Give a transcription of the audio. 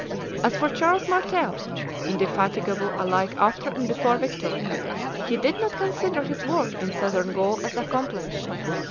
As for Charles Martel, indefatigable alike after and before victory, he did not consider his work in Southern Gaul as accomplished.